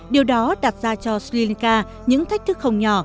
điều đó đặt ra cho sri lanka những thách thức không nhỏ